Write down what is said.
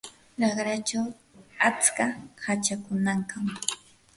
raqrachaw atska hachakunam kan.